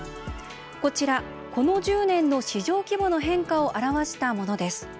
こちら、この１０年の市場規模の変化を表したものです。